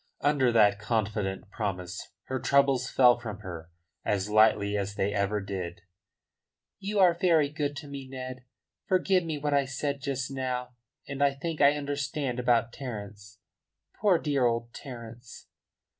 Under that confident promise her troubles fell from her, as lightly as they ever did. "You are very good to me, Ned. Forgive me what I said just now. And I think I understand about Terence poor dear old Terence."